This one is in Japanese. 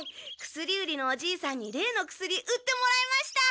薬売りのおじいさんに例の薬売ってもらいました！